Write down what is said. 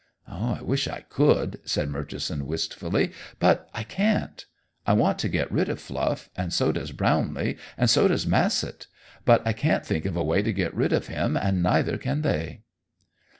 "I wish I could," said Murchison wistfully, "but I can't. I want to get rid of Fluff, and so does Brownlee, and so does Massett, but I can't think of a way to get rid of him, and neither can they."